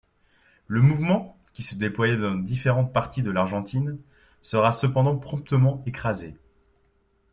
Le mouvement, qui se déploya dans différentes parties de l’Argentine, sera cependant promptement écrasé.